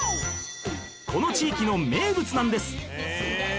この地域の名物なんです